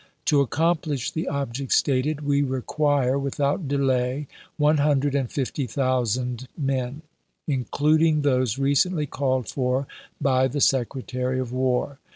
To accomplish the object stated, we require, without delay, one hundred and fifty thousand men, including those recently called for by the Secretary of War.